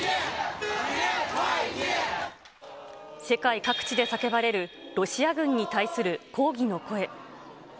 世界各地で叫ばれる、ロシア軍に対する抗議の声。